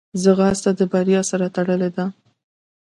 ځغاسته د بریا سره تړلې ده